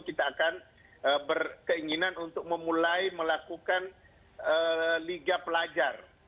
kita akan berkeinginan untuk memulai melakukan liga pelajar